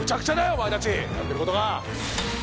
おまえたちやってることが！